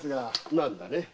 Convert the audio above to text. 何だね？